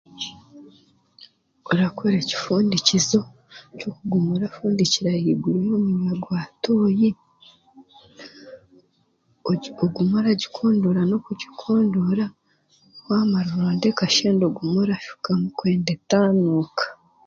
Orakora ekifundikizo, ky'okuguma orafundikira ahaiguru y'omunwa gwa tooyi, ogume oragikondoora n'okugikondoora, waamara oronde kashenda ogume orashukamu kwenda etaanuuka.